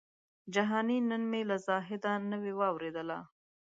جهاني نن مي له زاهده نوې واورېدله